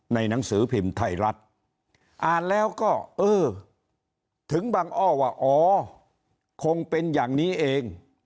นานแล้วก็เออถึงบังอ้อว่าอ๋อคงเป็นอย่างนี้เอง